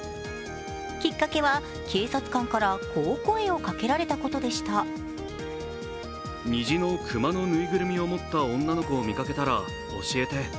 きっかけは、警察官からこう声をかけられたことでした。